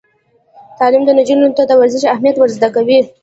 تعلیم نجونو ته د ورزش اهمیت ور زده کوي.